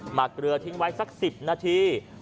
หักเกลือทิ้งไว้สัก๑๐นาที